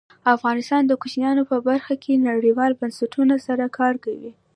افغانستان د کوچیان په برخه کې نړیوالو بنسټونو سره کار کوي.